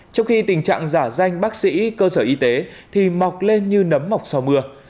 trong khi tình trạng giả danh bác sĩ cơ sở y tế thì mọc lên như nấm mọc so mưa